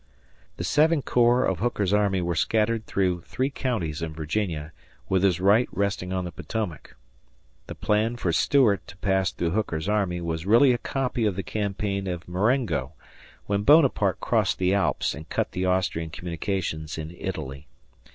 The seven corps of Hooker's army were scattered through three counties in Virginia, with his right resting on the Potomac. The plan for Stuart to pass through Hooker's army was really a copy of the campaign of Marengo, when Bonaparte crossed the Alps and cut the Austrian communications in Italy.